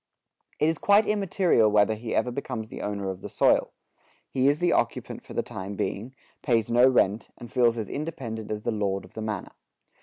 It is quite immaterial whether he ever becomes the owner of the soil. He is the occupant for the time being, pays no rent, and feels as independent as the "lord of the manor."